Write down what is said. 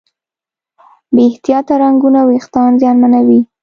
بې احتیاطه رنګونه وېښتيان زیانمنوي.